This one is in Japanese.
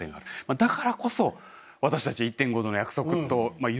だからこそ私たち「１．５℃の約束」と言ってね